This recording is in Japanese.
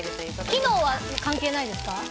機能は関係ないですか。